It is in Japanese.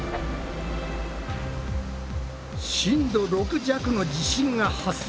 震度６弱の地震が発生！